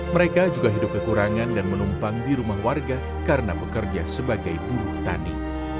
mereka juga hidup kekurangan dan menumpang di rumah warga karena bekerja sebagai buruh tani